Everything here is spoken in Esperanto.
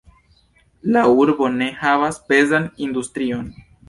La urbo ne havas pezan industrion.